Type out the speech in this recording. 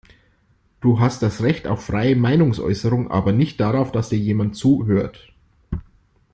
Du hast das Recht auf freie Meinungsäußerung, aber nicht darauf, dass dir jemand zuhört.